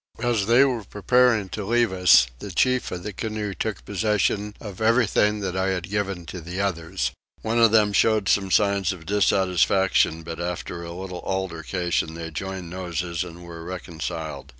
As they were preparing to leave us the chief of the canoe took possession of everything that I had given to the others. One of them showed some signs of dissatisfaction, but after a little altercation they joined noses and were reconciled.